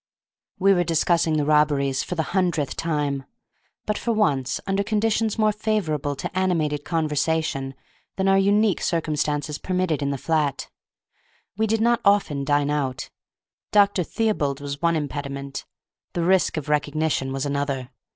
We were discussing the robberies for the hundredth time, but for once under conditions more favorable to animated conversation than our unique circumstances permitted in the flat. We did not often dine out. Dr. Theobald was one impediment, the risk of recognition was another.